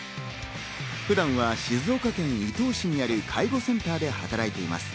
普段は静岡県伊東市にある介護センターで働いています。